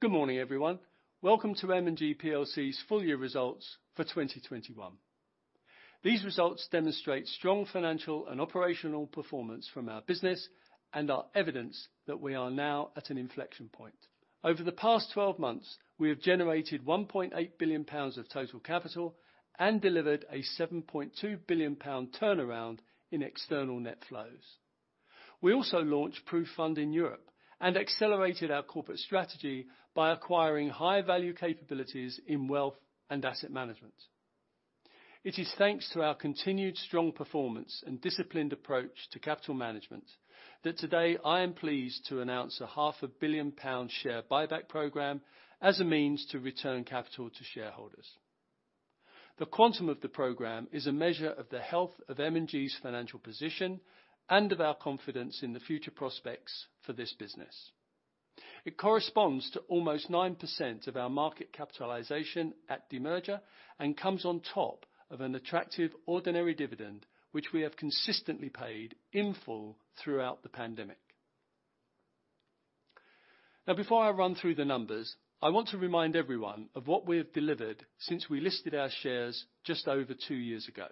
Good morning, everyone. Welcome to M&G plc's full year results for 2021. These results demonstrate strong financial and operational performance from our business and are evidence that we are now at an inflection point. Over the past 12 months, we have generated 1.8 billion pounds of total capital and delivered a 7.2 billion pound turnaround in external net flows. We also launched PruFund in Europe and accelerated our corporate strategy by acquiring high-value capabilities in wealth and asset management. It is thanks to our continued strong performance and disciplined approach to capital management that today I am pleased to announce a half a billion share buyback program as a means to return capital to shareholders. The quantum of the program is a measure of the health of M&G's financial position and of our confidence in the future prospects for this business. It corresponds to almost 9% of our market capitalization at demerger and comes on top of an attractive ordinary dividend, which we have consistently paid in full throughout the pandemic. Now, before I run through the numbers, I want to remind everyone of what we have delivered since we listed our shares just over two years ago.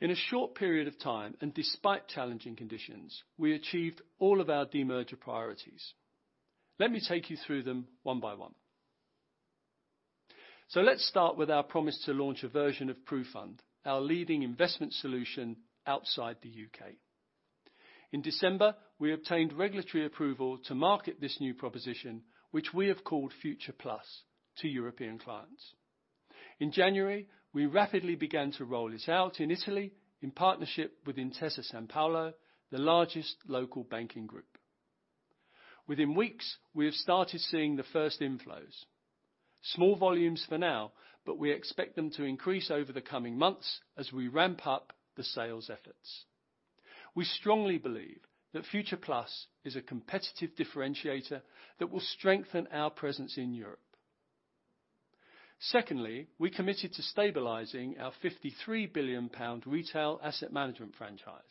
In a short period of time, and despite challenging conditions, we achieved all of our demerger priorities. Let me take you through them one by one. Let's start with our promise to launch a version of PruFund, our leading investment solution outside the U.K. In December, we obtained regulatory approval to market this new proposition, which we have called Future+, to European clients. In January, we rapidly began to roll this out in Italy in partnership with Intesa Sanpaolo, the largest local banking group. Within weeks, we have started seeing the first inflows. Small volumes for now, but we expect them to increase over the coming months as we ramp up the sales efforts. We strongly believe that Future+ is a competitive differentiator that will strengthen our presence in Europe. Secondly, we committed to stabilizing our 53 billion pound retail asset management franchise.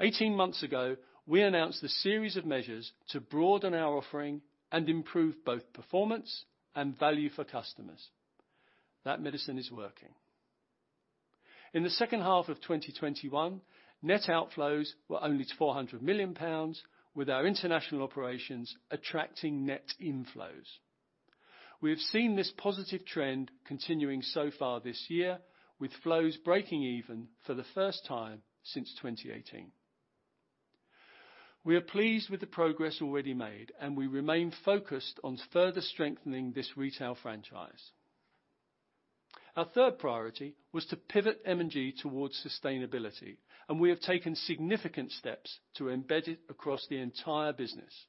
18 months ago, we announced a series of measures to broaden our offering and improve both performance and value for customers. That medicine is working. In the second half of 2021, net outflows were down to 400 million pounds, with our international operations attracting net inflows. We have seen this positive trend continuing so far this year, with flows breaking even for the first time since 2018. We are pleased with the progress already made, and we remain focused on further strengthening this retail franchise. Our third priority was to pivot M&G towards sustainability, and we have taken significant steps to embed it across the entire business.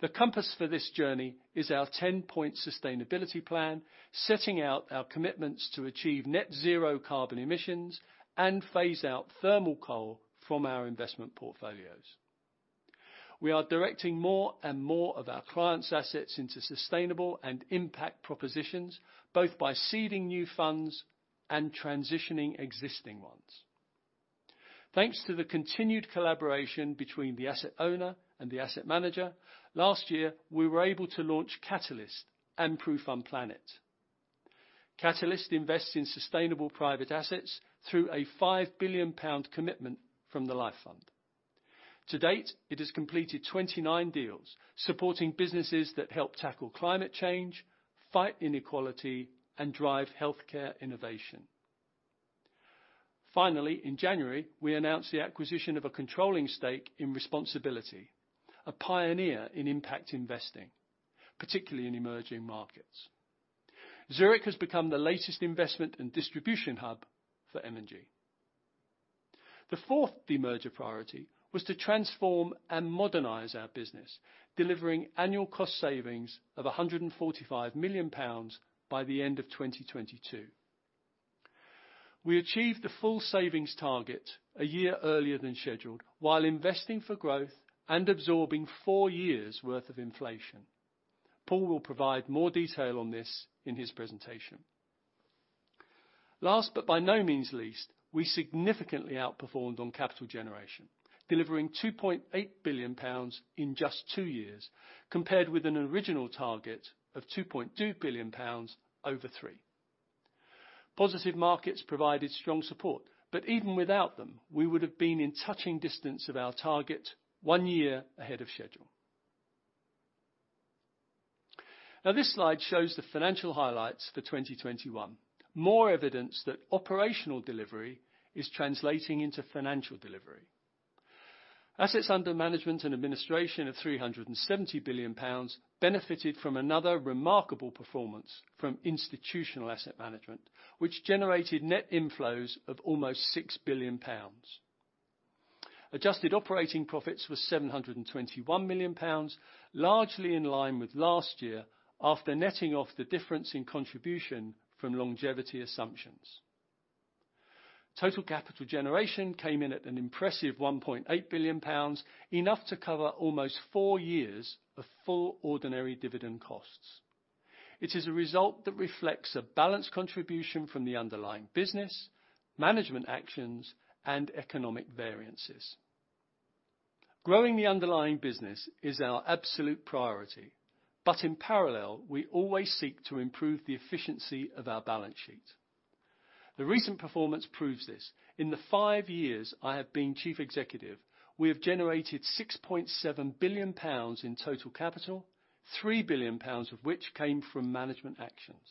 The compass for this journey is our 10-point sustainability plan, setting out our commitments to achieve net zero carbon emissions and phase out thermal coal from our investment portfolios. We are directing more and more of our clients' assets into sustainable and impact propositions, both by seeding new funds and transitioning existing ones. Thanks to the continued collaboration between the asset owner and the asset manager, last year we were able to launch Catalyst and PruFund Planet. Catalyst invests in sustainable private assets through a 5 billion pound commitment from the Life Fund. To date, it has completed 29 deals, supporting businesses that help tackle climate change, fight inequality, and drive healthcare innovation. Finally, in January, we announced the acquisition of a controlling stake in responsAbility, a pioneer in impact investing, particularly in emerging markets. Zurich has become the latest investment and distribution hub for M&G. The fourth demerger priority was to transform and modernize our business, delivering annual cost savings of 145 million pounds by the end of 2022. We achieved the full savings target a year earlier than scheduled while investing for growth and absorbing four years' worth of inflation. Paul will provide more detail on this in his presentation. Last, but by no means least, we significantly outperformed on capital generation, delivering 2.8 billion pounds in just two years, compared with an original target of 2.2 billion pounds over three. Positive markets provided strong support, but even without them, we would have been in touching distance of our target one year ahead of schedule. Now this slide shows the financial highlights for 2021. More evidence that operational delivery is translating into financial delivery. Assets under management and administration of 370 billion pounds benefited from another remarkable performance from institutional asset management, which generated net inflows of almost 6 billion pounds. Adjusted operating profits were 721 million pounds, largely in line with last year after netting off the difference in contribution from longevity assumptions. Total capital generation came in at an impressive 1.8 billion pounds, enough to cover almost 4 years of full ordinary dividend costs. It is a result that reflects a balanced contribution from the underlying business, management actions, and economic variances. Growing the underlying business is our absolute priority, but in parallel, we always seek to improve the efficiency of our balance sheet. The recent performance proves this. In the five years I have been Chief Executive, we have generated 6.7 billion pounds in total capital, 3 billion pounds of which came from management actions.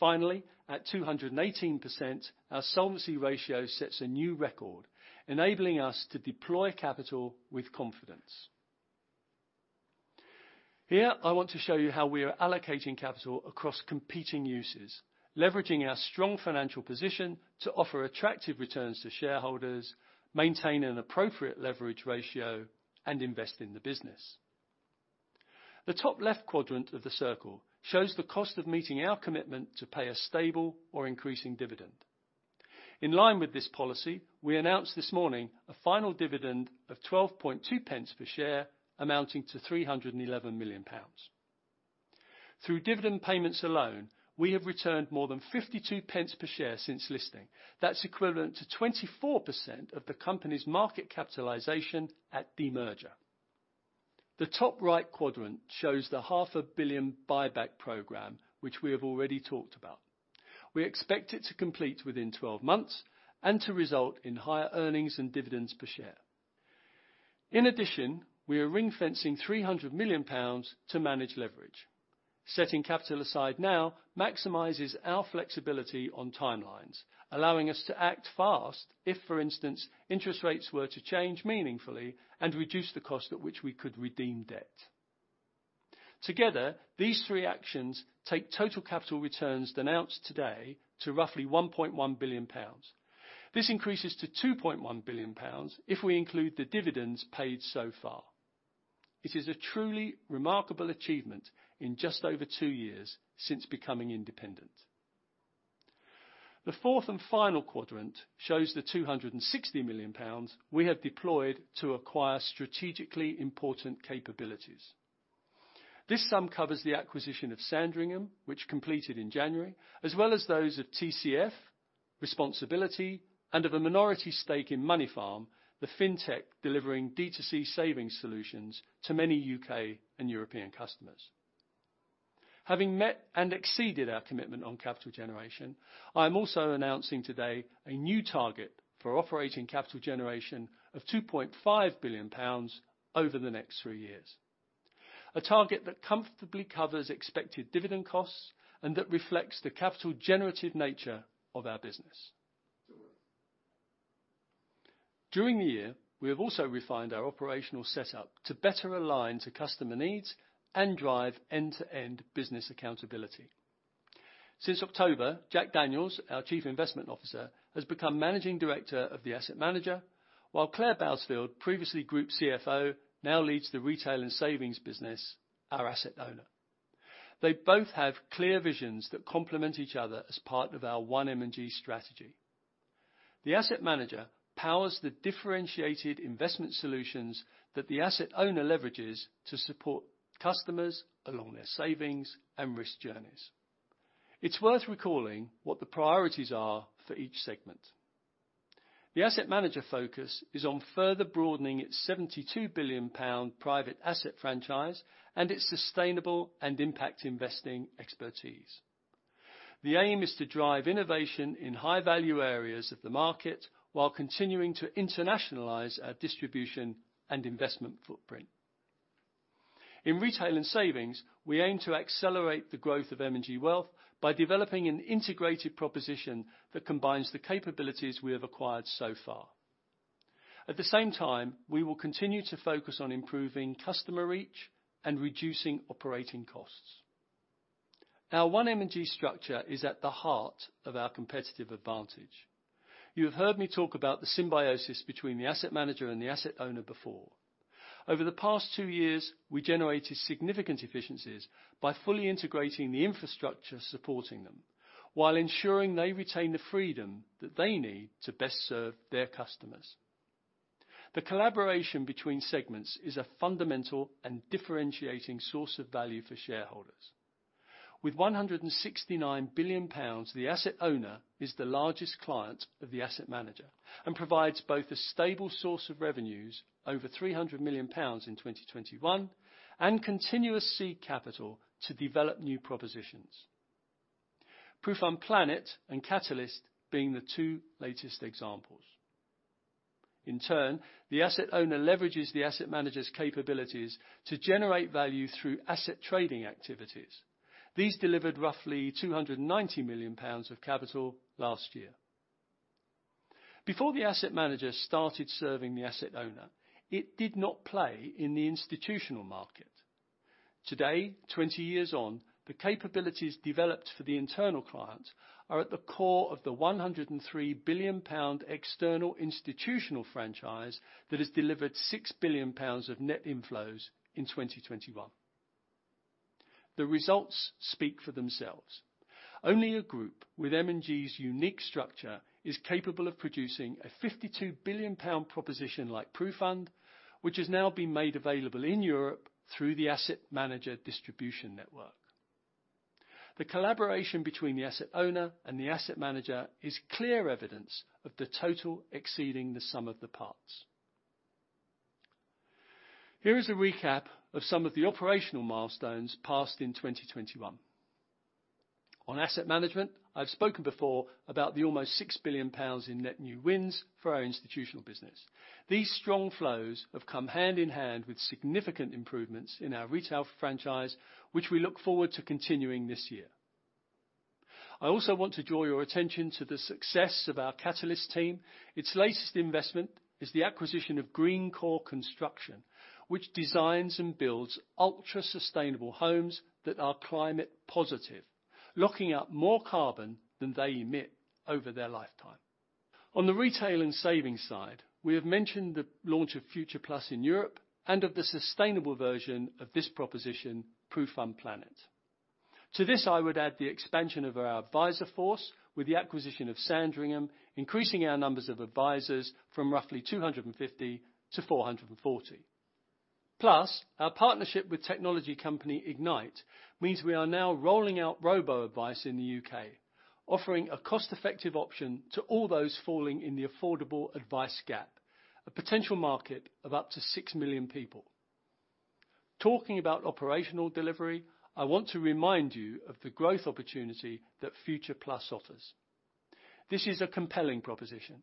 Finally, at 218%, our solvency ratio sets a new record, enabling us to deploy capital with confidence. Here, I want to show you how we are allocating capital across competing uses, leveraging our strong financial position to offer attractive returns to shareholders, maintain an appropriate leverage ratio, and invest in the business. The top left quadrant of the circle shows the cost of meeting our commitment to pay a stable or increasing dividend. In line with this policy, we announced this morning a final dividend of 0.122 per share, amounting to 311 million pounds. Through dividend payments alone, we have returned more than 0.52 per share since listing. That's equivalent to 24% of the company's market capitalization at demerger. The top right quadrant shows the GBP half a billion buyback program, which we have already talked about. We expect it to complete within 12 months and to result in higher earnings and dividends per share. In addition, we are ring-fencing 300 million pounds to manage leverage. Setting capital aside now maximizes our flexibility on timelines, allowing us to act fast if, for instance, interest rates were to change meaningfully and reduce the cost at which we could redeem debt. Together, these three actions take total capital returns announced today to roughly 1.1 billion pounds. This increases to 2.1 billion pounds if we include the dividends paid so far. It is a truly remarkable achievement in just over two years since becoming independent. The fourth and final quadrant shows the 260 million pounds we have deployed to acquire strategically important capabilities. This sum covers the acquisition of Sandringham, which completed in January, as well as those of TCF, responsAbility, and of a minority stake in Moneyfarm, the fintech delivering D2C savings solutions to many UK and European customers. Having met and exceeded our commitment on capital generation, I am also announcing today a new target for operating capital generation of 2.5 billion pounds over the next 3 years, a target that comfortably covers expected dividend costs and that reflects the capital generative nature of our business. During the year, we have also refined our operational setup to better align to customer needs and drive end-to-end business accountability. Since October, Jack Daniels, our Chief Investment Officer, has become Managing Director of the asset manager, while Clare Bousfield, previously Group CFO, now leads the retail and savings business, our asset owner. They both have clear visions that complement each other as part of our One M&G strategy. The asset manager powers the differentiated investment solutions that the asset owner leverages to support customers along their savings and risk journeys. It's worth recalling what the priorities are for each segment. The asset manager focus is on further broadening its 72 billion pound private asset franchise and its sustainable and impact investing expertise. The aim is to drive innovation in high-value areas of the market while continuing to internationalize our distribution and investment footprint. In retail and savings, we aim to accelerate the growth of M&G Wealth by developing an integrated proposition that combines the capabilities we have acquired so far. At the same time, we will continue to focus on improving customer reach and reducing operating costs. Our One M&G structure is at the heart of our competitive advantage. You have heard me talk about the symbiosis between the asset manager and the asset owner before. Over the past two years, we generated significant efficiencies by fully integrating the infrastructure supporting them while ensuring they retain the freedom that they need to best serve their customers. The collaboration between segments is a fundamental and differentiating source of value for shareholders. With 169 billion pounds, the asset owner is the largest client of the asset manager and provides both a stable source of revenues, over 300 million pounds in 2021, and continuous seed capital to develop new propositions, PruFund Planet and Catalyst being the two latest examples. In turn, the asset owner leverages the asset manager's capabilities to generate value through asset trading activities. These delivered roughly 290 million pounds of capital last year. Before the asset manager started serving the asset owner, it did not play in the institutional market. Today, 20 years on, the capabilities developed for the internal client are at the core of the 103 billion pound external institutional franchise that has delivered 6 billion pounds of net inflows in 2021. The results speak for themselves. Only a group with M&G's unique structure is capable of producing a 52 billion pound proposition like PruFund, which has now been made available in Europe through the asset manager distribution network. The collaboration between the asset owner and the asset manager is clear evidence of the total exceeding the sum of the parts. Here is a recap of some of the operational milestones passed in 2021. On asset management, I've spoken before about the almost 6 billion pounds in net new wins for our institutional business. These strong flows have come hand in hand with significant improvements in our retail franchise, which we look forward to continuing this year. I also want to draw your attention to the success of our Catalyst team. Its latest investment is the acquisition of Greencore Construction, which designs and builds ultra-sustainable homes that are climate positive, locking up more carbon than they emit over their lifetime. On the retail and savings side, we have mentioned the launch of Future+ in Europe and of the sustainable version of this proposition, PruFund Planet. To this, I would add the expansion of our advisor force with the acquisition of Sandringham, increasing our numbers of advisors from roughly 250 to 440. Plus, our partnership with technology company Ignition Advice means we are now rolling out robo-advice in the U.K., offering a cost-effective option to all those falling in the affordable advice gap, a potential market of up to 6 million people. Talking about operational delivery, I want to remind you of the growth opportunity that Future+ offers. This is a compelling proposition,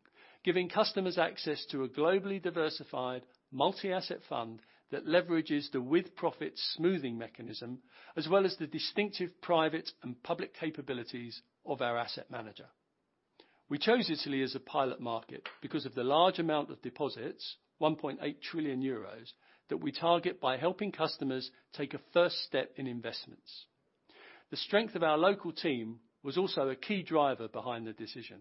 giving customers access to a globally diversified multi-asset fund that leverages the with-profits smoothing mechanism, as well as the distinctive private and public capabilities of our asset manager. We chose Italy as a pilot market because of the large amount of deposits, 1.8 trillion euros, that we target by helping customers take a first step in investments. The strength of our local team was also a key driver behind the decision.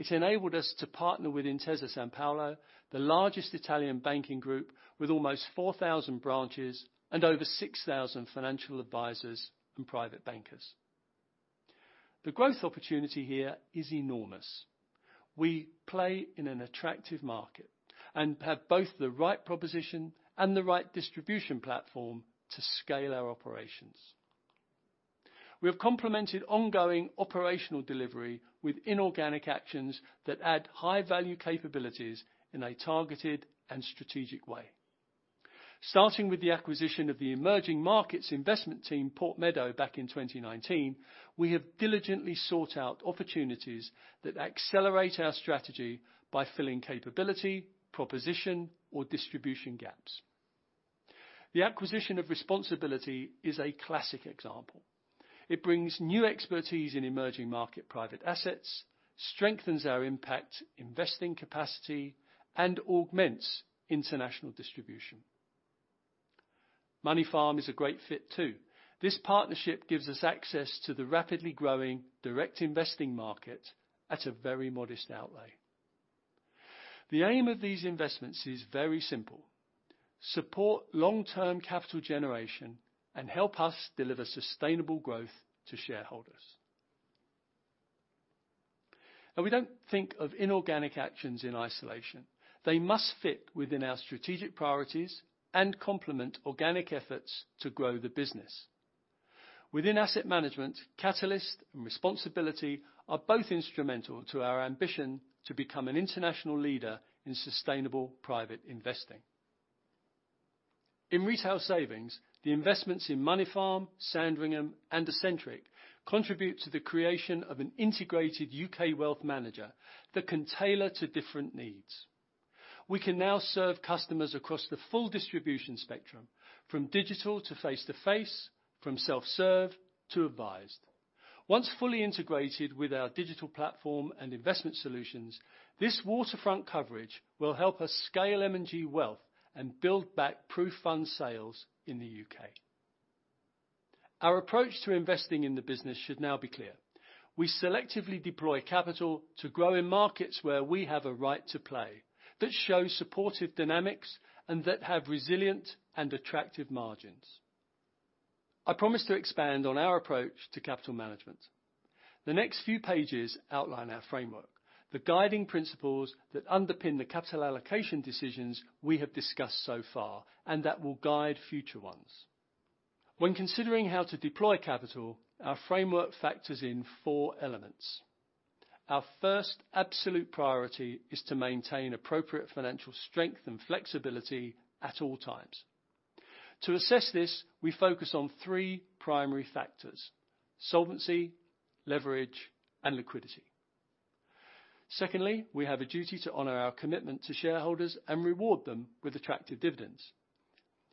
It enabled us to partner with Intesa Sanpaolo, the largest Italian banking group with almost 4,000 branches and over 6,000 financial advisors and private bankers. The growth opportunity here is enormous. We play in an attractive market and have both the right proposition and the right distribution platform to scale our operations. We have complemented ongoing operational delivery with inorganic actions that add high-value capabilities in a targeted and strategic way. Starting with the acquisition of the emerging markets investment team, Pomeroy, back in 2019, we have diligently sought out opportunities that accelerate our strategy by filling capability, proposition, or distribution gaps. The acquisition of responsAbility is a classic example. It brings new expertise in emerging market private assets, strengthens our impact investing capacity, and augments international distribution. Moneyfarm is a great fit too. This partnership gives us access to the rapidly growing direct investing market at a very modest outlay. The aim of these investments is very simple: support long-term capital generation and help us deliver sustainable growth to shareholders. Now, we don't think of inorganic actions in isolation. They must fit within our strategic priorities and complement organic efforts to grow the business. Within asset management, Catalyst and responsAbility are both instrumental to our ambition to become an international leader in sustainable private investing. In retail savings, the investments in Moneyfarm, Sandringham, and Ascentric contribute to the creation of an integrated U.K. wealth manager that can tailor to different needs. We can now serve customers across the full distribution spectrum, from digital to face-to-face, from self-serve to advised. Once fully integrated with our digital platform and investment solutions, this waterfront coverage will help us scale M&G Wealth and build back PruFund sales in the U.K. Our approach to investing in the business should now be clear. We selectively deploy capital to grow in markets where we have a right to play, that show supportive dynamics, and that have resilient and attractive margins. I promise to expand on our approach to capital management. The next few pages outline our framework, the guiding principles that underpin the capital allocation decisions we have discussed so far and that will guide future ones. When considering how to deploy capital, our framework factors in four elements. Our first absolute priority is to maintain appropriate financial strength and flexibility at all times. To assess this, we focus on three primary factors, solvency, leverage, and liquidity. Secondly, we have a duty to honor our commitment to shareholders and reward them with attractive dividends.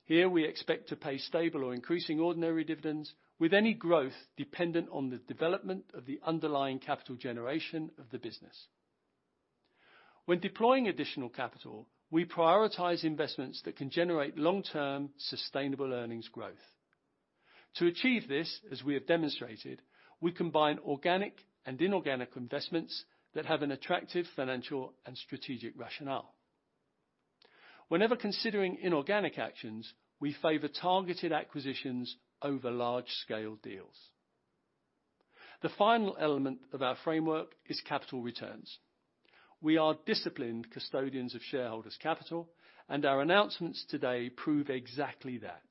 Here, we expect to pay stable or increasing ordinary dividends, with any growth dependent on the development of the underlying capital generation of the business. When deploying additional capital, we prioritize investments that can generate long-term sustainable earnings growth. To achieve this, as we have demonstrated, we combine organic and inorganic investments that have an attractive financial and strategic rationale. Whenever considering inorganic actions, we favor targeted acquisitions over large scale deals. The final element of our framework is capital returns. We are disciplined custodians of shareholders' capital, and our announcements today prove exactly that.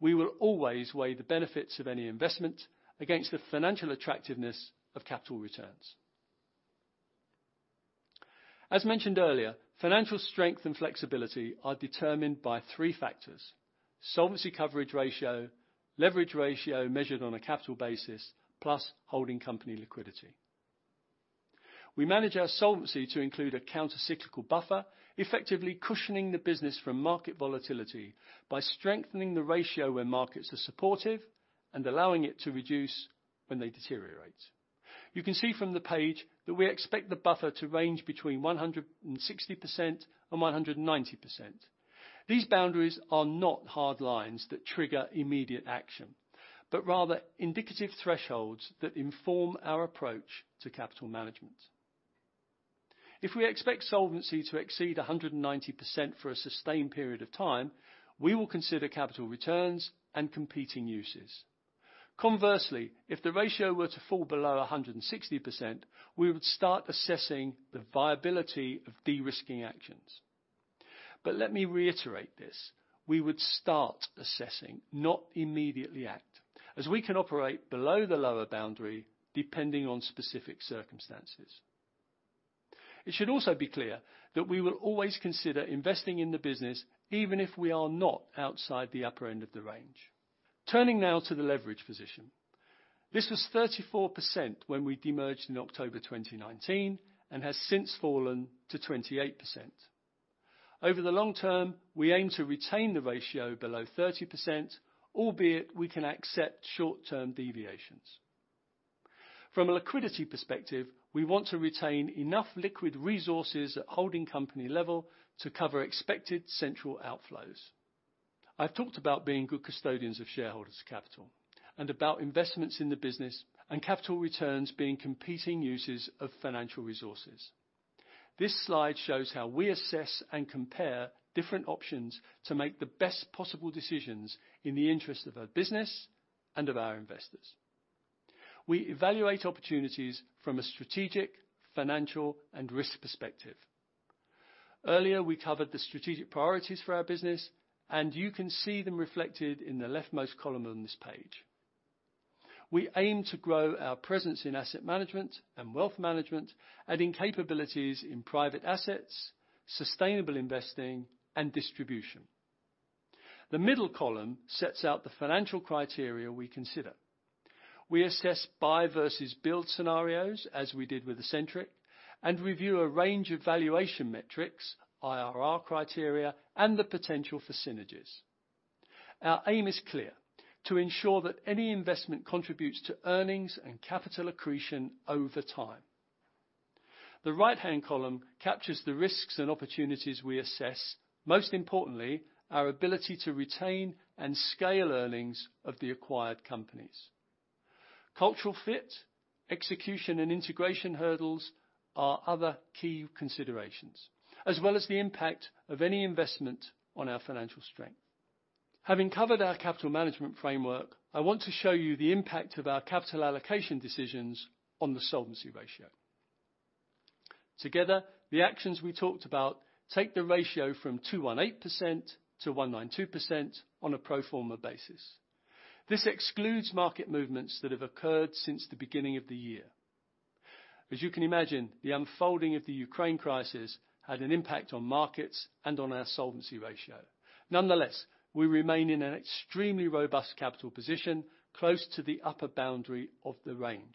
We will always weigh the benefits of any investment against the financial attractiveness of capital returns. As mentioned earlier, financial strength and flexibility are determined by three factors. Solvency coverage ratio, leverage ratio measured on a capital basis, plus holding company liquidity. We manage our solvency to include a counter-cyclical buffer, effectively cushioning the business from market volatility by strengthening the ratio where markets are supportive and allowing it to reduce when they deteriorate. You can see from the page that we expect the buffer to range between 160% and 190%. These boundaries are not hard lines that trigger immediate action, but rather indicative thresholds that inform our approach to capital management. If we expect solvency to exceed 190% for a sustained period of time, we will consider capital returns and competing uses. Conversely, if the ratio were to fall below 160%, we would start assessing the viability of de-risking actions. Let me reiterate this. We would start assessing, not immediately act, as we can operate below the lower boundary depending on specific circumstances. It should also be clear that we will always consider investing in the business even if we are not outside the upper end of the range. Turning now to the leverage position. This was 34 when we demerged in October 2019, and has since fallen to 28%. Over the long term, we aim to retain the ratio below 30%, albeit we can accept short-term deviations. From a liquidity perspective, we want to retain enough liquid resources at holding company level to cover expected central outflows. I've talked about being good custodians of shareholders' capital and about investments in the business and capital returns being competing uses of financial resources. This slide shows how we assess and compare different options to make the best possible decisions in the interest of our business and of our investors. We evaluate opportunities from a strategic, financial, and risk perspective. Earlier, we covered the strategic priorities for our business, and you can see them reflected in the leftmost column on this page. We aim to grow our presence in asset management and wealth management, adding capabilities in private assets, sustainable investing, and distribution. The middle column sets out the financial criteria we consider. We assess buy versus build scenarios, as we did with Ascentric, and review a range of valuation metrics, IRR criteria, and the potential for synergies. Our aim is clear, to ensure that any investment contributes to earnings and capital accretion over time. The right-hand column captures the risks and opportunities we assess, most importantly, our ability to retain and scale earnings of the acquired companies. Cultural fit, execution and integration hurdles are other key considerations, as well as the impact of any investment on our financial strength. Having covered our capital management framework, I want to show you the impact of our capital allocation decisions on the solvency ratio. Together, the actions we talked about take the ratio from 218% to 192% on a pro forma basis. This excludes market movements that have occurred since the beginning of the year. As you can imagine, the unfolding of the Ukraine crisis had an impact on markets and on our solvency ratio. Nonetheless, we remain in an extremely robust capital position, close to the upper boundary of the range.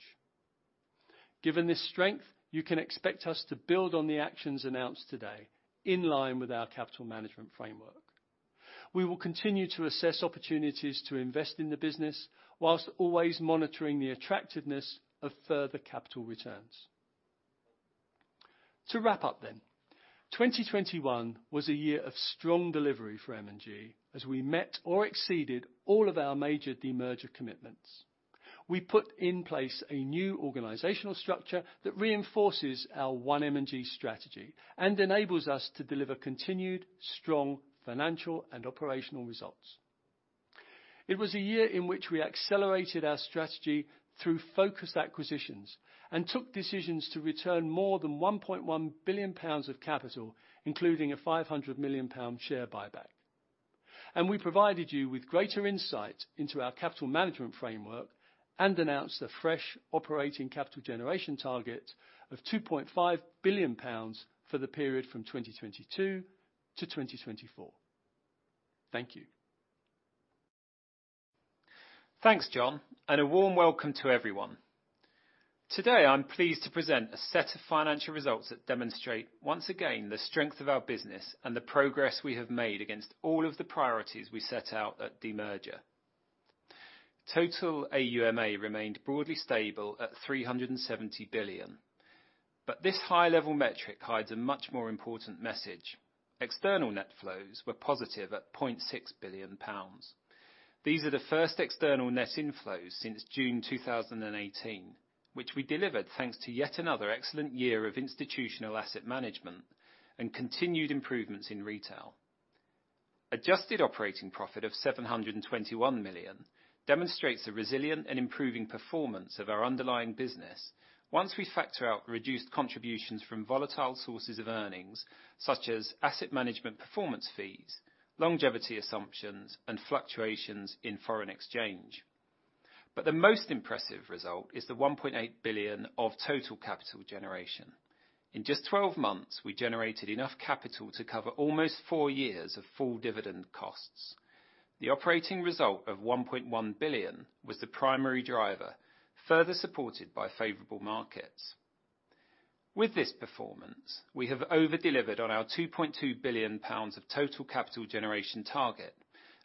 Given this strength, you can expect us to build on the actions announced today in line with our capital management framework. We will continue to assess opportunities to invest in the business while always monitoring the attractiveness of further capital returns. To wrap up, 2021 was a year of strong delivery for M&G, as we met or exceeded all of our major demerger commitments. We put in place a new organizational structure that reinforces our One M&G strategy and enables us to deliver continued strong financial and operational results. It was a year in which we accelerated our strategy through focused acquisitions and took decisions to return more than 1.1 billion pounds of capital, including a 500 million pound share buyback. We provided you with greater insight into our capital management framework and announced a fresh operating capital generation target of 2.5 billion pounds for the period from 2022 to 2024. Thank you. Thanks, John, and a warm welcome to everyone. Today, I'm pleased to present a set of financial results that demonstrate, once again, the strength of our business and the progress we have made against all of the priorities we set out at de-merger. Total AUMA remained broadly stable at 370 billion. This high-level metric hides a much more important message. External net flows were positive at 0.6 billion pounds. These are the first external net inflows since June 2018, which we delivered thanks to yet another excellent year of institutional asset management and continued improvements in retail. Adjusted operating profit of 721 million demonstrates a resilient and improving performance of our underlying business once we factor out reduced contributions from volatile sources of earnings, such as asset management performance fees, longevity assumptions and fluctuations in foreign exchange. The most impressive result is the 1.8 billion of total capital generation. In just 12 months, we generated enough capital to cover almost four years of full dividend costs. The operating result of 1.1 billion was the primary driver, further supported by favorable markets. With this performance, we have over-delivered on our 2.2 billion pounds of total capital generation target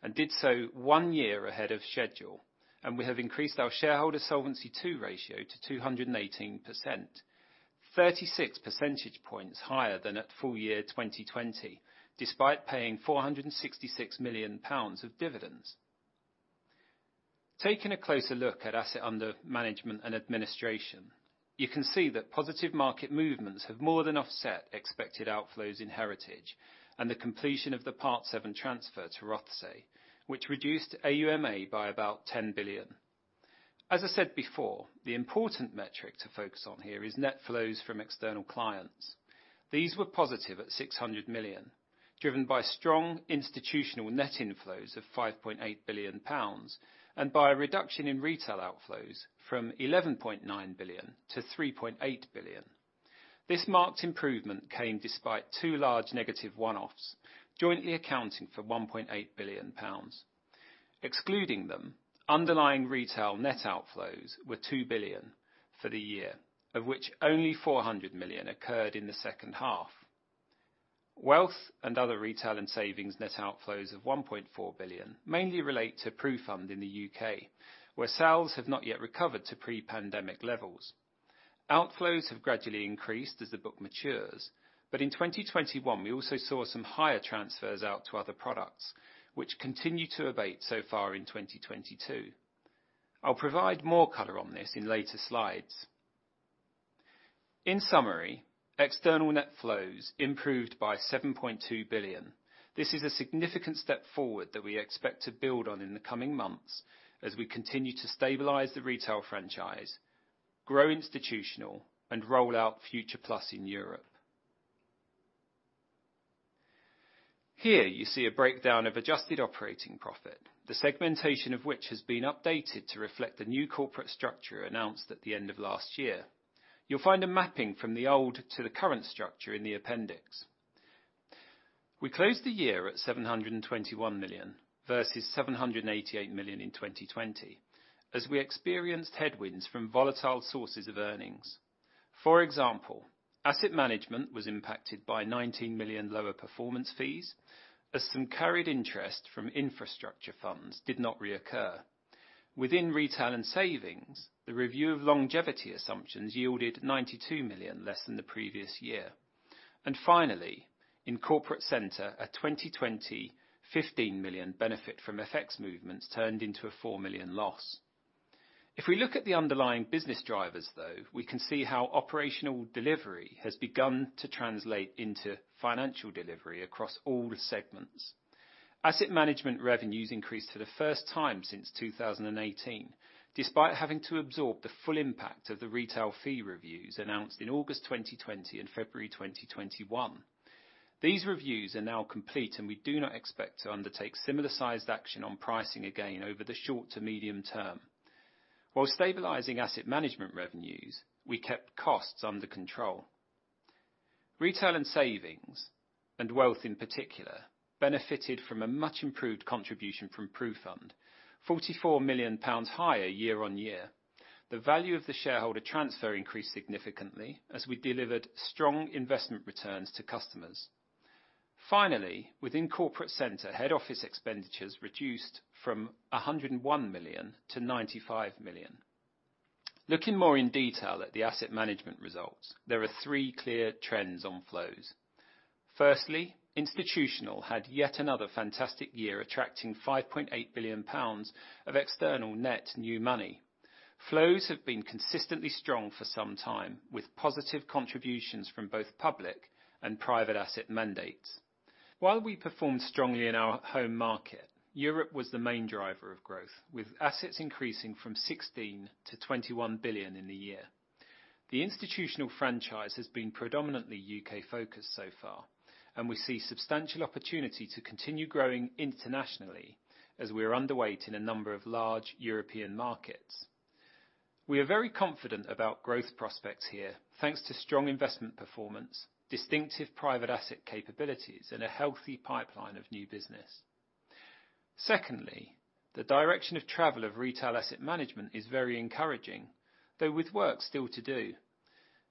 and did so one year ahead of schedule, and we have increased our shareholder Solvency II ratio to 218%. Thirty-six percentage points higher than at full year 2020, despite paying 466 million pounds of dividends. Taking a closer look at asset under management and administration, you can see that positive market movements have more than offset expected outflows in Heritage and the completion of the Part VII transfer to Rothesay, which reduced AUMA by about 10 billion. As I said before, the important metric to focus on here is net flows from external clients. These were positive at 600 million, driven by strong institutional net inflows of 5.8 billion pounds and by a reduction in retail outflows from 11.9 billion to 3.8 billion. This marked improvement came despite two large negative one-offs, jointly accounting for 1.8 billion pounds. Excluding them, underlying retail net outflows were 2 billion for the year, of which only 400 million occurred in the second half. Wealth and other retail and savings net outflows of 1.4 billion mainly relate to PruFund in the U.K., where sales have not yet recovered to pre-pandemic levels. Outflows have gradually increased as the book matures, but in 2021, we also saw some higher transfers out to other products which continue to abate so far in 2022. I'll provide more color on this in later slides. In summary, external net flows improved by 7.2 billion. This is a significant step forward that we expect to build on in the coming months as we continue to stabilize the retail franchise, grow institutional, and roll out Future+ in Europe. Here you see a breakdown of adjusted operating profit, the segmentation of which has been updated to reflect the new corporate structure announced at the end of last year. You'll find a mapping from the old to the current structure in the appendix. We closed the year at 721 million versus 788 million in 2020, as we experienced headwinds from volatile sources of earnings. For example, asset management was impacted by 19 million lower performance fees as some carried interest from infrastructure funds did not reoccur. Within retail and savings, the review of longevity assumptions yielded 92 million, less than the previous year. Finally, in corporate center, a 2020 15 million benefit from FX movements turned into a 4 million loss. If we look at the underlying business drivers, though, we can see how operational delivery has begun to translate into financial delivery across all the segments. Asset management revenues increased for the first time since 2018, despite having to absorb the full impact of the retail fee reviews announced in August 2020 and February 2021. These reviews are now complete, and we do not expect to undertake similar sized action on pricing again over the short to medium term. While stabilizing asset management revenues, we kept costs under control. Retail and savings, and wealth in particular, benefited from a much improved contribution from PruFund, 44 million pounds higher year-over-year. The value of the shareholder transfer increased significantly as we delivered strong investment returns to customers. Finally, within corporate center, head office expenditures reduced 101 million-95 million. Looking more in detail at the asset management results, there are three clear trends on flows. Firstly, institutional had yet another fantastic year, attracting 5.8 billion pounds of external net new money. Flows have been consistently strong for some time, with positive contributions from both public and private asset mandates. While we performed strongly in our home market, Europe was the main driver of growth, with assets increasing from 16 billion-21 billion in the year. The institutional franchise has been predominantly U.K.-focused so far, and we see substantial opportunity to continue growing internationally as we are underweight in a number of large European markets. We are very confident about growth prospects here, thanks to strong investment performance, distinctive private asset capabilities, and a healthy pipeline of new business. Secondly, the direction of travel of retail asset management is very encouraging, though with work still to do.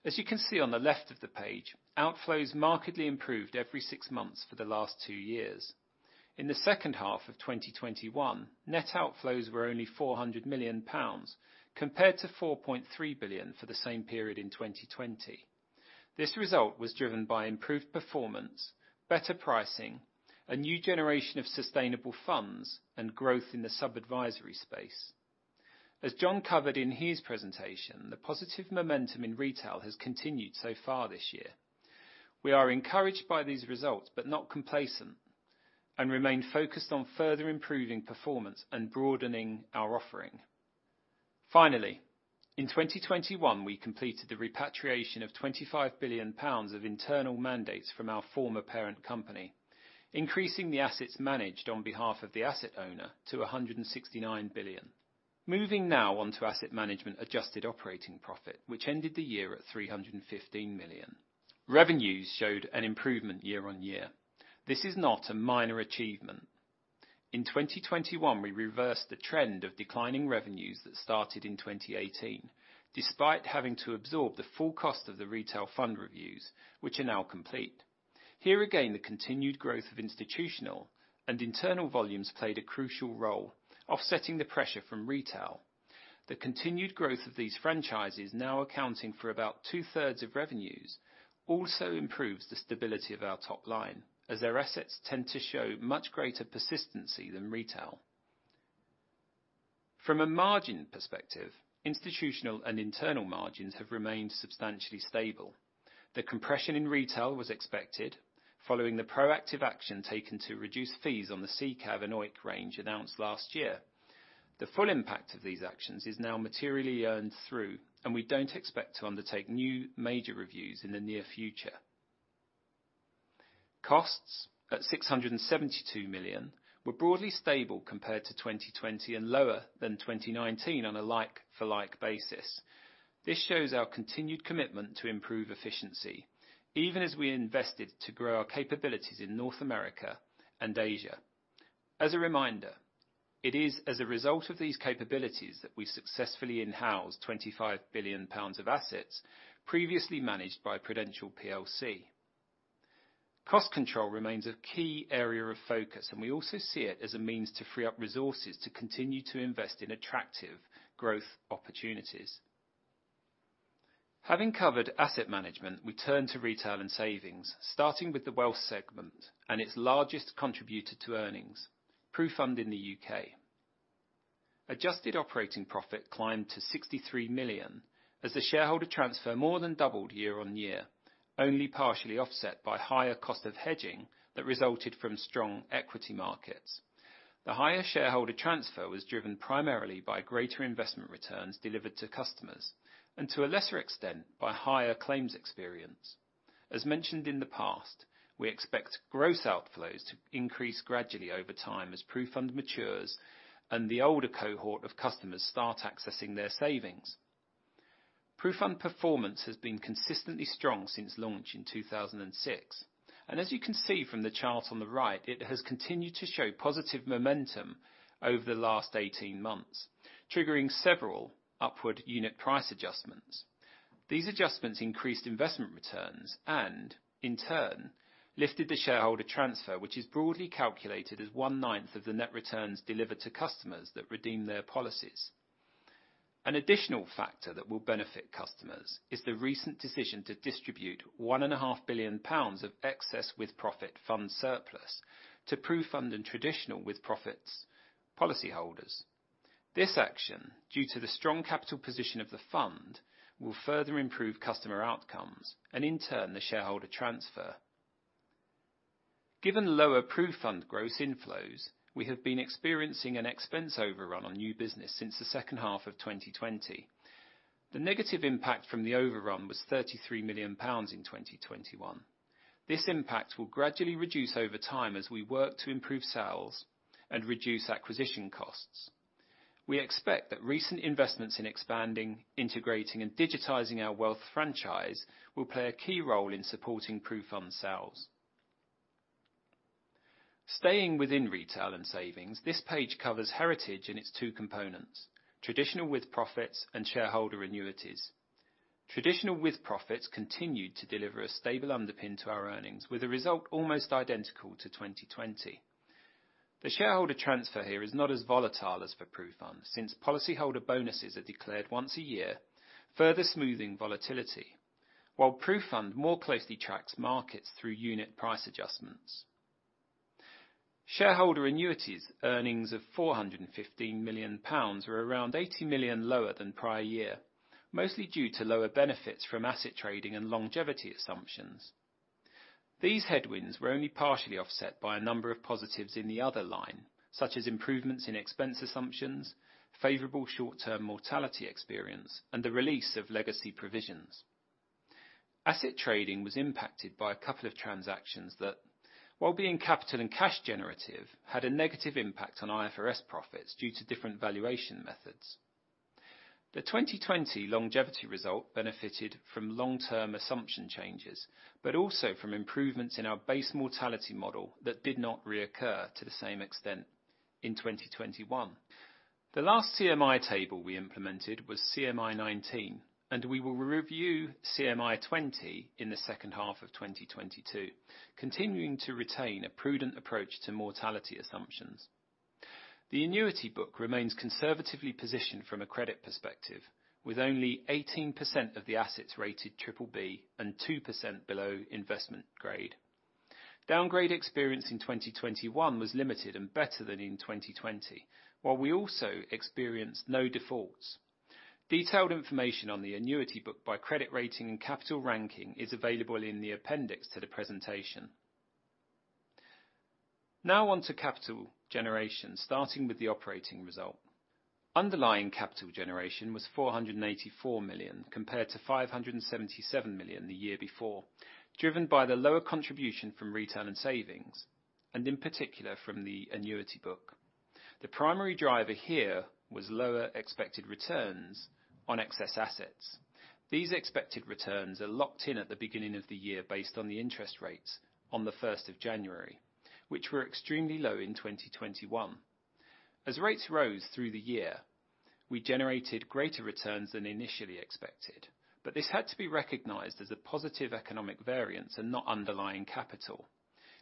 As you can see on the left of the page, outflows markedly improved every six months for the last two years. In the second half of 2021, net outflows were only 400 million pounds, compared to 4.3 billion for the same period in 2020. This result was driven by improved performance, better pricing, a new generation of sustainable funds, and growth in the sub-advisory space. As John covered in his presentation, the positive momentum in retail has continued so far this year. We are encouraged by these results, but not complacent, and remain focused on further improving performance and broadening our offering. Finally, in 2021, we completed the repatriation of 25 billion pounds of internal mandates from our former parent company, increasing the assets managed on behalf of the asset owner to 169 billion. Moving now on to Asset Management adjusted operating profit, which ended the year at 315 million. Revenues showed an improvement year-on-year. This is not a minor achievement. In 2021, we reversed the trend of declining revenues that started in 2018, despite having to absorb the full cost of the retail fund reviews, which are now complete. Here again, the continued growth of institutional and internal volumes played a crucial role, offsetting the pressure from retail. The continued growth of these franchises now accounting for about two-thirds of revenues also improves the stability of our top line, as their assets tend to show much greater persistency than retail. From a margin perspective, institutional and internal margins have remained substantially stable. The compression in retail was expected following the proactive action taken to reduce fees on the CCAR and OEIC range announced last year. The full impact of these actions is now materially earned through, and we don't expect to undertake new major reviews in the near future. Costs at 672 million were broadly stable compared to 2020 and lower than 2019 on a like-for-like basis. This shows our continued commitment to improve efficiency even as we invested to grow our capabilities in North America and Asia. As a reminder, it is as a result of these capabilities that we successfully in-housed 25 billion pounds of assets previously managed by Prudential plc. Cost control remains a key area of focus, and we also see it as a means to free up resources to continue to invest in attractive growth opportunities. Having covered asset management, we turn to retail and savings, starting with the wealth segment and its largest contributor to earnings, PruFund in the UK. Adjusted operating profit climbed to 63 million as the shareholder transfer more than doubled year-on-year, only partially offset by higher cost of hedging that resulted from strong equity markets. The higher shareholder transfer was driven primarily by greater investment returns delivered to customers and to a lesser extent by higher claims experience. As mentioned in the past, we expect gross outflows to increase gradually over time as PruFund matures and the older cohort of customers start accessing their savings. PruFund performance has been consistently strong since launch in 2006. As you can see from the chart on the right, it has continued to show positive momentum over the last 18 months, triggering several upward unit price adjustments. These adjustments increased investment returns and in turn lifted the shareholder transfer, which is broadly calculated as one-ninth of the net returns delivered to customers that redeem their policies. An additional factor that will benefit customers is the recent decision to distribute 1.5 billion pounds of excess With-Profits Fund surplus to PruFund and traditional with-profits policyholders. This action, due to the strong capital position of the fund, will further improve customer outcomes and in turn the shareholder transfer. Given lower PruFund gross inflows, we have been experiencing an expense overrun on new business since the second half of 2020. The negative impact from the overrun was 33 million pounds in 2021. This impact will gradually reduce over time as we work to improve sales and reduce acquisition costs. We expect that recent investments in expanding, integrating, and digitizing our wealth franchise will play a key role in supporting PruFund sales. Staying within retail and savings, this page covers Heritage and its two components, traditional with-profits and shareholder annuities. Traditional with-profits continued to deliver a stable underpin to our earnings with a result almost identical to 2020. The shareholder transfer here is not as volatile as for PruFund, since policyholder bonuses are declared once a year, further smoothing volatility, while PruFund more closely tracks markets through unit price adjustments. Shareholder annuities earnings of 415 million pounds were around 80 million lower than prior year, mostly due to lower benefits from asset trading and longevity assumptions. These headwinds were only partially offset by a number of positives in the other line, such as improvements in expense assumptions, favorable short-term mortality experience, and the release of legacy provisions. Asset trading was impacted by a couple of transactions that, while being capital and cash generative, had a negative impact on IFRS profits due to different valuation methods. The 2020 longevity result benefited from long-term assumption changes, but also from improvements in our base mortality model that did not reoccur to the same extent in 2021. The last CMI table we implemented was CMI 2019, and we will review CMI 2020 in the second half of 2022, continuing to retain a prudent approach to mortality assumptions. The annuity book remains conservatively positioned from a credit perspective, with only 18% of the assets rated BBB and 2% below investment grade. Downgrade experience in 2021 was limited and better than in 2020, while we also experienced no defaults. Detailed information on the annuity book by credit rating and capital ranking is available in the appendix to the presentation. Now on to capital generation, starting with the operating result. Underlying capital generation was 484 million, compared to 577 million the year before, driven by the lower contribution from retail and savings, and in particular from the annuity book. The primary driver here was lower expected returns on excess assets. These expected returns are locked in at the beginning of the year based on the interest rates on the first of January, which were extremely low in 2021. As rates rose through the year, we generated greater returns than initially expected, but this had to be recognized as a positive economic variance and not underlying capital.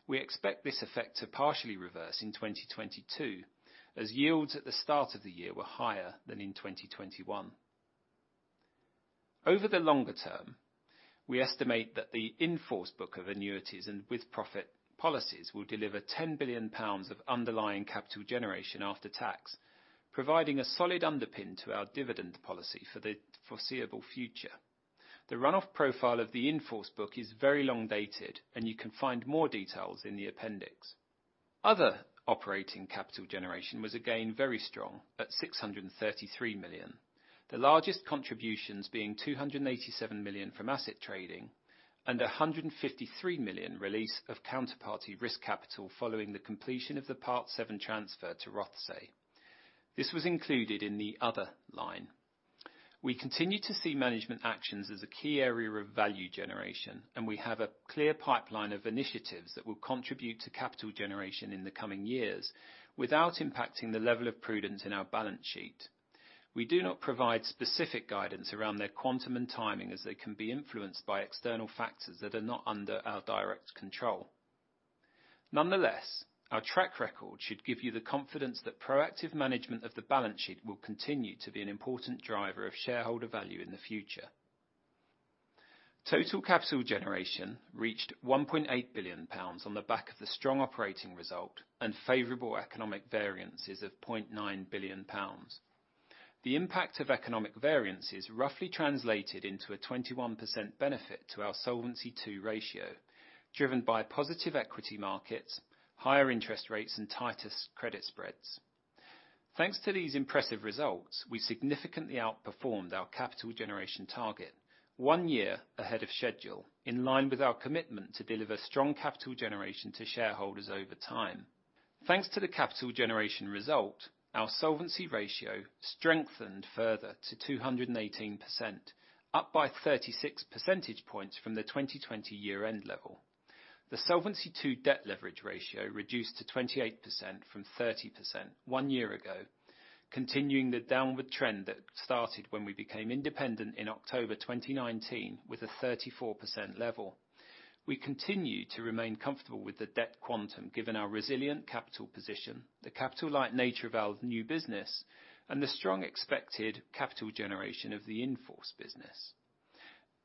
We expect this effect to partially reverse in 2022, as yields at the start of the year were higher than in 2021. Over the longer term, we estimate that the in-force book of annuities and with-profits policies will deliver 10 billion pounds of underlying capital generation after tax, providing a solid underpin to our dividend policy for the foreseeable future. The run-off profile of the in-force book is very long dated, and you can find more details in the appendix. Other operating capital generation was again very strong at 633 million. The largest contributions being 287 million from asset trading and 153 million release of counterparty risk capital following the completion of the Part VII transfer to Rothesay. This was included in the other line. We continue to see management actions as a key area of value generation, and we have a clear pipeline of initiatives that will contribute to capital generation in the coming years without impacting the level of prudence in our balance sheet. We do not provide specific guidance around their quantum and timing, as they can be influenced by external factors that are not under our direct control. Nonetheless, our track record should give you the confidence that proactive management of the balance sheet will continue to be an important driver of shareholder value in the future. Total capital generation reached 1.8 billion pounds on the back of the strong operating result and favorable economic variances of 0.9 billion pounds. The impact of economic variances roughly translated into a 21% benefit to our Solvency II ratio, driven by positive equity markets, higher interest rates, and tighter credit spreads. Thanks to these impressive results, we significantly outperformed our capital generation target one year ahead of schedule, in line with our commitment to deliver strong capital generation to shareholders over time. Thanks to the capital generation result, our solvency ratio strengthened further to 218%, up by 36 percentage points from the 2020 year-end level. The Solvency II debt leverage ratio reduced to 28% from 30% one year ago, continuing the downward trend that started when we became independent in October 2019 with a 34% level. We continue to remain comfortable with the debt quantum, given our resilient capital position, the capital light nature of our new business, and the strong expected capital generation of the in-force business.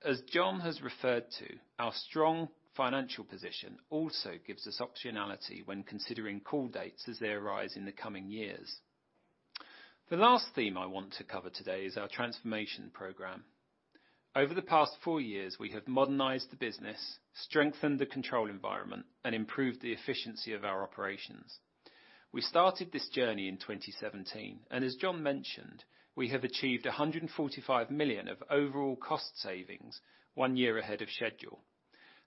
As John has referred to, our strong financial position also gives us optionality when considering call dates as they arise in the coming years. The last theme I want to cover today is our transformation program. Over the past four years, we have modernized the business, strengthened the control environment, and improved the efficiency of our operations. We started this journey in 2017, and as John mentioned, we have achieved 145 million of overall cost savings one year ahead of schedule.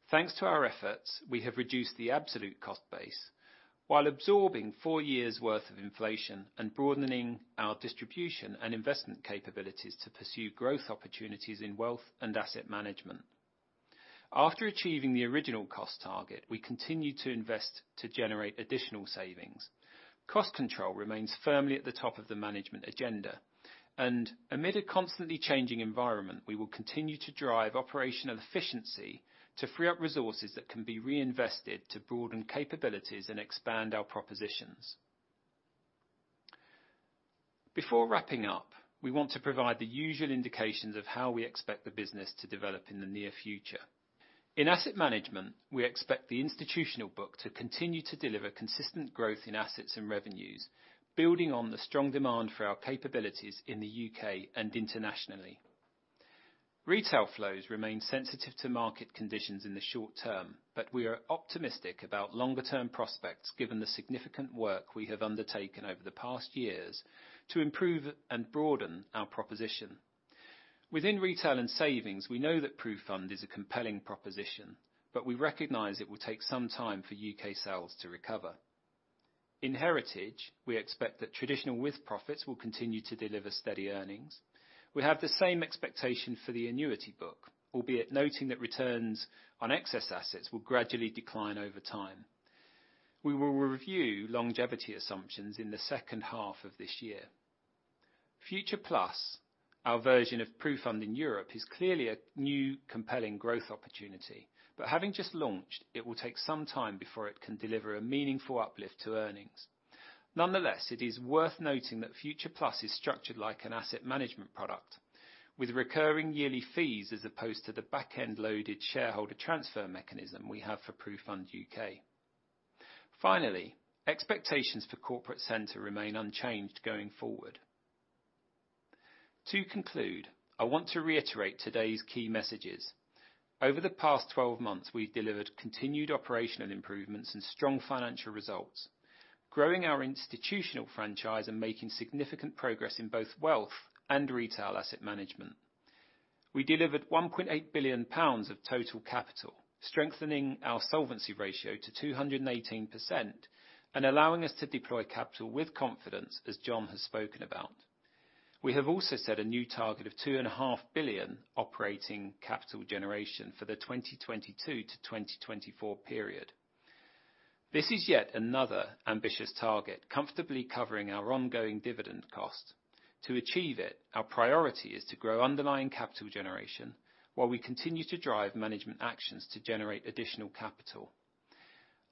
Thanks to our efforts, we have reduced the absolute cost base while absorbing four years worth of inflation and broadening our distribution and investment capabilities to pursue growth opportunities in wealth and asset management. After achieving the original cost target, we continue to invest to generate additional savings. Cost control remains firmly at the top of the management agenda, and amid a constantly changing environment, we will continue to drive operational efficiency to free up resources that can be reinvested to broaden capabilities and expand our propositions. Before wrapping up, we want to provide the usual indications of how we expect the business to develop in the near future. In asset management, we expect the institutional book to continue to deliver consistent growth in assets and revenues, building on the strong demand for our capabilities in the U.K. and internationally. Retail flows remain sensitive to market conditions in the short term, but we are optimistic about longer term prospects given the significant work we have undertaken over the past years to improve and broaden our proposition. Within retail and savings, we know that PruFund is a compelling proposition, but we recognize it will take some time for U.K. sales to recover. In Heritage, we expect that traditional with-profits will continue to deliver steady earnings. We have the same expectation for the annuity book, albeit noting that returns on excess assets will gradually decline over time. We will review longevity assumptions in the second half of this year. Future+, our version of PruFund in Europe, is clearly a new compelling growth opportunity. Having just launched, it will take some time before it can deliver a meaningful uplift to earnings. Nonetheless, it is worth noting that Future+ is structured like an asset management product with recurring yearly fees as opposed to the backend loaded shareholder transfer mechanism we have for PruFund UK. Finally, expectations for corporate center remain unchanged going forward. To conclude, I want to reiterate today's key messages. Over the past 12 months, we've delivered continued operational improvements and strong financial results, growing our institutional franchise and making significant progress in both wealth and retail asset management. We delivered 1.8 billion pounds of total capital, strengthening our solvency ratio to 218%, and allowing us to deploy capital with confidence, as John has spoken about. We have also set a new target of 2.5 billion operating capital generation for the 2022-2024 period. This is yet another ambitious target, comfortably covering our ongoing dividend cost. To achieve it, our priority is to grow underlying capital generation while we continue to drive management actions to generate additional capital.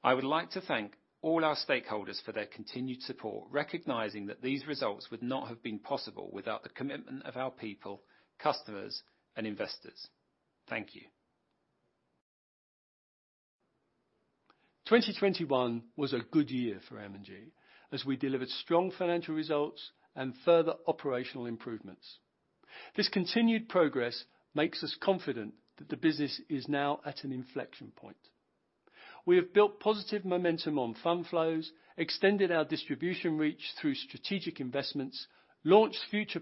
I would like to thank all our stakeholders for their continued support, recognizing that these results would not have been possible without the commitment of our people, customers, and investors. Thank you. 2021 was a good year for M&G as we delivered strong financial results and further operational improvements. This continued progress makes us confident that the business is now at an inflection point. We have built positive momentum on fund flows, extended our distribution reach through strategic investments, launched Future+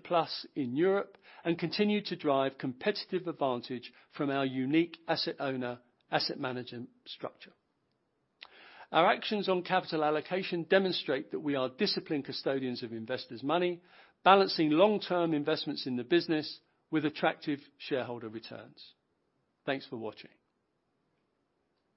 in Europe, and continued to drive competitive advantage from our unique asset owner-asset management structure. Our actions on capital allocation demonstrate that we are disciplined custodians of investors' money, balancing long-term investments in the business with attractive shareholder returns. Thanks for watching.